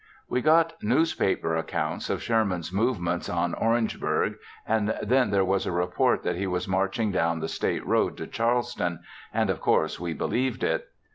We got newspaper accounts of Sherman's movements on Orangeburg, and then there was a report that he was marching down the State Road to Charleston and of course we believed it.